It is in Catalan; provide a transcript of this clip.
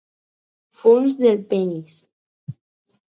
Fust del penis.